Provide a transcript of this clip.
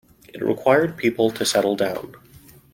It required people to settle down.